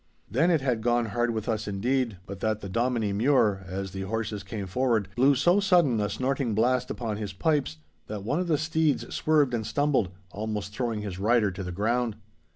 Then it had gone hard with us indeed, but that the Dominie Mure, as the horses came forward, blew so sudden a snorting blast upon his pipes, that one of the steeds swerved and stumbled, almost throwing his rider to the ground.